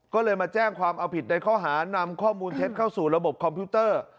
ก็เลยมาแจ้งความเอาผิดในข้อหานำข้อมูลเท็จเข้าสู่ระบบคอมพิวเตอร์